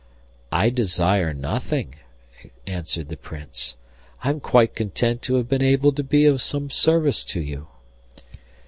'I desire nothing,' answered the Prince. 'I am quite content to have been able to be of some service to you.